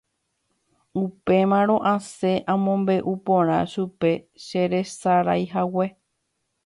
Upémarõ asẽ amombe'u porã chupe cheresaraihague.